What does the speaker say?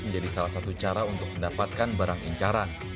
menjadi salah satu cara untuk mendapatkan barang incaran